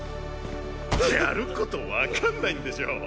やることわかんないんでしょ？